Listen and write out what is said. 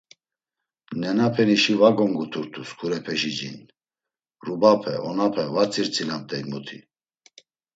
Nenapenişi va gonguturt̆u sǩurepeşi cin, rubape, onape va tzirtzilamt̆ey muti.